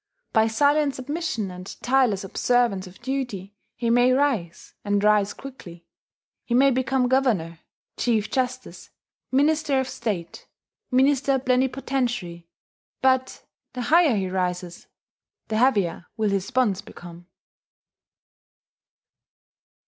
By silent submission and tireless observance of duty he may rise, and rise quickly: he may become Governor, Chief justice, Minister of State, Minister Plenipotentiary; but the higher he rises, the heavier will his bonds become.